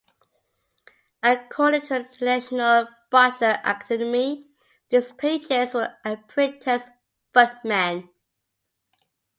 According to the International Butler Academy, these pages were apprentice footmen.